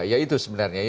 ya itu sebenarnya